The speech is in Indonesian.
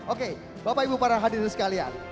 oke bapak ibu para hadirin sekalian